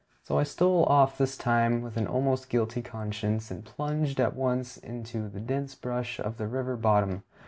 So I stole off this time with an almost guilty conscience, and plunged at once into the dense brush of the river bottom.